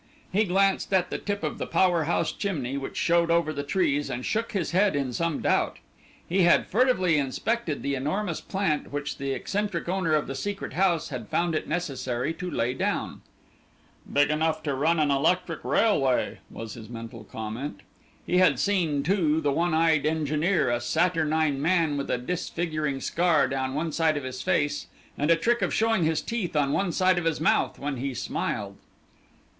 He glanced at the tip of the power house chimney which showed over the trees, and shook his head in some doubt. He had furtively inspected the enormous plant which the eccentric owner of the Secret House had found it necessary to lay down. "Big enough to run an electric railway," was his mental comment. He had seen, too, the one eyed engineer, a saturnine man with a disfiguring scar down one side of his face, and a trick of showing his teeth on one side of his mouth when he smiled.